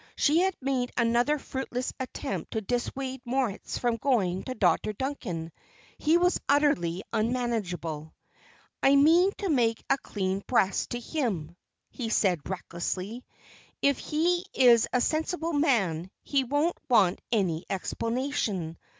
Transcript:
She had made another fruitless attempt to dissuade Moritz from going to Dr. Duncan; he was utterly unmanageable. "I mean to make a clean breast to him," he said, recklessly. "If he is a sensible man, he won't want any explanation.